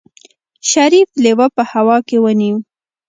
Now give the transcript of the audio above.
شريف لېوه په هوا کې ونيو.